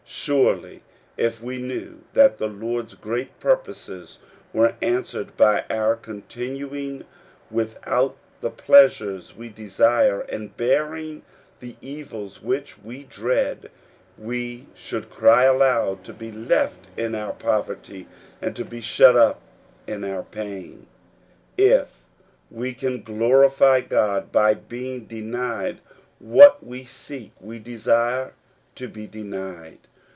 Surely if we knew that the Lord's great purposes were answered by our con tinuing without the pleasures we desire and bearing the evils which we dread, we should cry aloud to be left in our poverty, and to be shut up in our pain. If we can glorify God by being denied what we seek, we desire to be denied.